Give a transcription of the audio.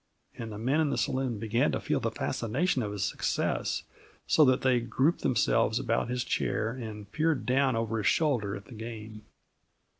And the men in the saloon began to feel the fascination of his success, so that they grouped themselves about his chair and peered down over his shoulder at the game.